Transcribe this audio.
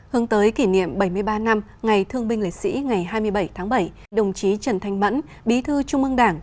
hướng tới kỷ niệm bảy mươi ba năm ngày thương binh liệt sĩ ngày hai mươi bảy tháng bảy đồng chí trần thanh mẫn bí thư trung ương đảng